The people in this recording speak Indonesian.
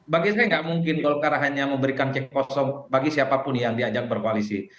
bagi saya nggak mungkin golkar hanya memberikan cek kosong bagi siapapun yang diajak berkoalisi